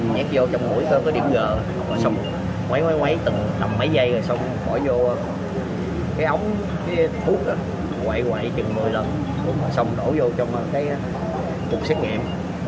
nhét vô trong mũi có điểm g xong quấy quấy quấy từng năm mấy giây rồi xong bỏ vô cái ống cái thuốc quậy quậy chừng một mươi lần xong đổ vô trong cuộc xét nghiệm